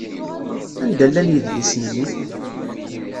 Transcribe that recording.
Anda llan yidlisen-nni?